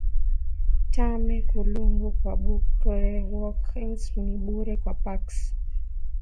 tame kulungu kwa bure Walk ins ni bure kwa Parks